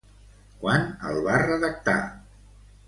Quan el va redactar?